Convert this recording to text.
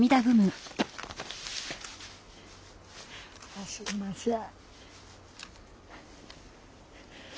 あっすいません。